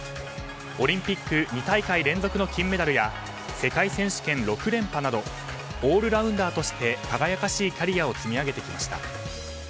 オリンピック２大会連続の金メダルや世界選手権６連覇などオールラウンダーとして輝かしいキャリアを積み上げてきました。